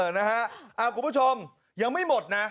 ห้าคุณผู้ชมยังไม่หมดหรอค่ะ